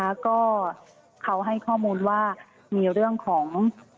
แล้วก็เขาให้ข้อมูลว่ามีเรื่องของ